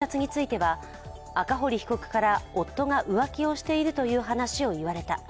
また、夫と離婚したいきさつについては、赤堀被告から、夫が浮気をしているという話を言われた。